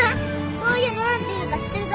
そういうの何ていうか知ってるぞ。